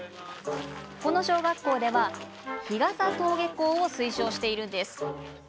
この小学校では日傘登下校を推奨しているんです。